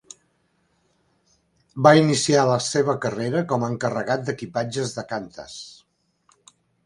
Va iniciar la seva carrera com a encarregat d'equipatges de Qantas.